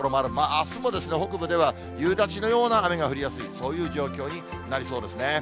あすも北部では夕立のような雨が降りやすい、そういう状況になりそうですね。